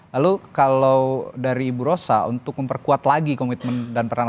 lalu kalau dari ibu rosa untuk memperkuat lagi komitmen dan peran